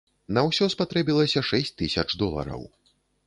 На ўсё спатрэбілася шэсць тысяч долараў.